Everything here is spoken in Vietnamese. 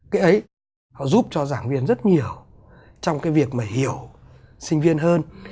cái ấy họ giúp cho giảng viên rất nhiều trong cái việc mà hiểu sinh viên hơn